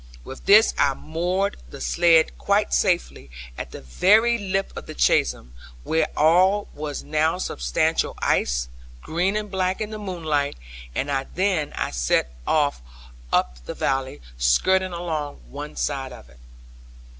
With this I moored the sledd quite safe, at the very lip of the chasm, where all was now substantial ice, green and black in the moonlight; and then I set off up the valley, skirting along one side of it.